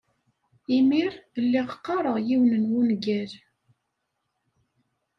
Imir lliɣ qqareɣ yiwen wungal.